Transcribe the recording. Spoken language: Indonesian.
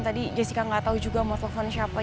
tadi jessica gak tau juga mau telfon siapa